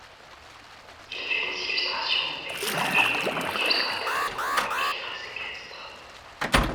Il fait des illustrations de paysage et est l'illustrateur de nombreux livres équestres.